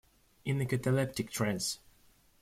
In a cataleptic trance.